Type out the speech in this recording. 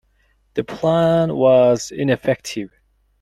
The plan was ineffective.